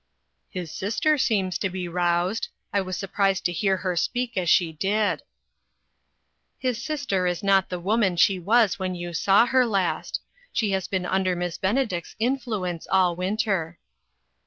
" His sister seems to be roused. I was surprised to hear her speak as she did." " His sister is not the woman she was when you saw her last. She has been un der Miss Benedict's influence all winter."